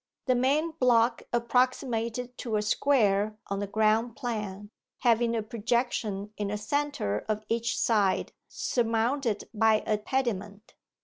The main block approximated to a square on the ground plan, having a projection in the centre of each side, surmounted by a pediment.